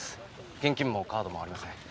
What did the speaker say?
現金もカードもありません。